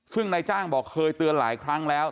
ซึ่งนายจ้างบอกเคยเตือนหลายครั้งแล้ว